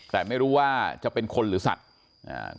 แต่ไม่รู้ว่าจะเป็นคนหรือสัตว์อ่า